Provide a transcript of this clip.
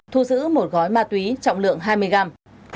thu giữ một gói ma túy trọng lượng hai mươi gram